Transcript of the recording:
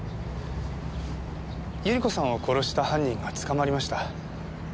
百合子さんを殺した犯人が捕まりました。